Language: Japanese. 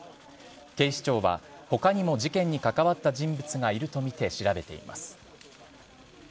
警視庁はほかにも事件に関わった人物がいると見て調べています。